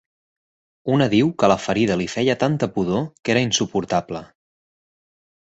Una diu que la ferida li feia tanta pudor que era insuportable.